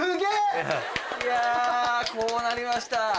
いやこうなりました。